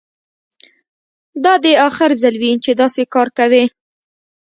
دا دې اخر ځل وي چې داسې کار کوې